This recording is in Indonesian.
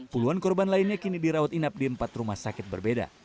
puluhan korban lainnya kini dirawat inap di empat rumah sakit berbeda